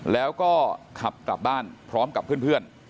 แล้วก็ขับกลับบ้านพร้อมกับเพื่อน